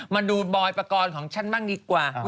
มาดูบอยปกรณ์ของฉันบ้างดีกว่า